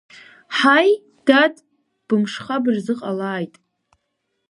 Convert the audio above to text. Ҳаи, дад, бымшха бырзыҟалааит!